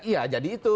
iya jadi itu